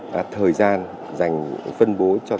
và thời gian dành phân bối